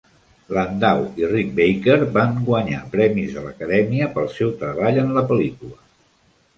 Landau i Rick Baker van guanyar premis de l'Acadèmia pel seu treball en la pel·lícula.